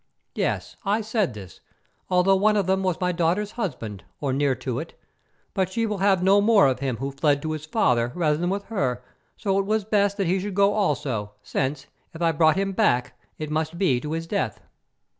Yes, I said this, although one of them was my daughter's husband, or near to it. But she will have no more of him who fled to his father rather than with her, so it was best that he should go also, since, if I brought him back it must be to his death."